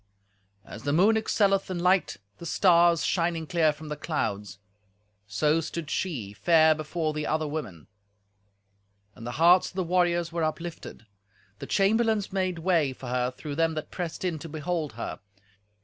As the moon excelleth in light the stars shining clear from the clouds, so stood she, fair before the other women, and the hearts of the warriors were uplifted. The chamberlains made way for her through them that pressed in to behold her.